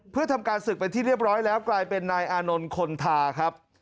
เพื่อทำการศึกเป็นที่เรียบร้อยแล้วกลายเป็นนายอานนท์คนทาครับ